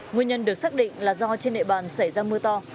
nguyên nhân được xác định là do trên địa bàn xảy ra mưa to